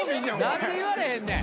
何で言われへんねん。